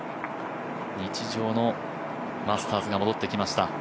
日常のマスターズが戻ってきました。